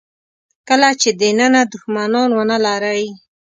کله چې دننه دوښمنان ونه لرئ.